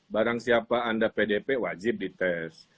barang siapa anda pdp wajib dites